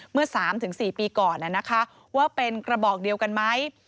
เมื่อ๓๔ปีก่อนว่าเป็นกระบอกเดียวกันไหม